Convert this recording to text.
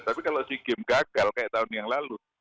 tapi kalau sea games gagal kayak tahun yang lalu